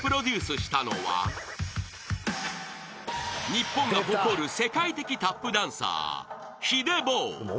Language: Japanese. ［日本が誇る世界的タップダンサー］